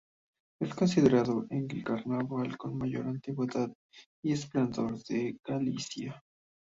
Es considerado el carnaval con mayor antigüedad y esplendor de Galicia.